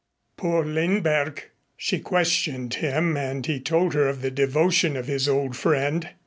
Poor Lindberg!" She questioned him and he told her of the devotion of his old friend.